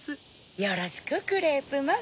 よろしくクレープマン。